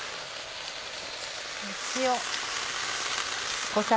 塩。